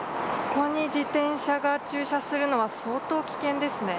ここに自転車が駐車するのは相当、危険ですね。